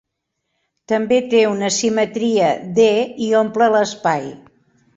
També té una simetria d i omple l'espai.